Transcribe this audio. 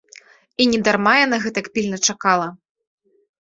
І недарма яна гэтак пільна чакала.